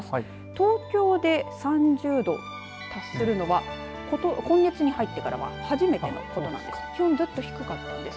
東京で３０度達するのは今月に入ってからは初めてです。